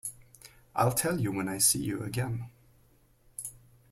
I'll tell you when I see you again.